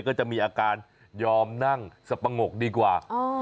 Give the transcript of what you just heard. ก็จะมีอาการยอมนั่งสปะงกดีกว่า